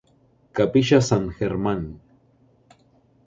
Capilla San Germán.